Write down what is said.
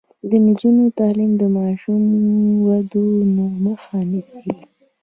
د نجونو تعلیم د ماشوم ودونو مخه نیسي.